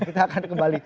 kita akan kembali